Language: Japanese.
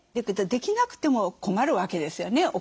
だけどできなくても困るわけですよね。